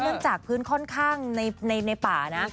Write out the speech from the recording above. เนื่องจากพื้นค่อนข้างในป่านะ